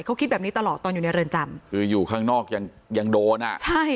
เขาคิดแบบนี้ตลอดตอนอยู่ในเรือนจำคืออยู่ข้างนอกยังยังโดนอ่ะใช่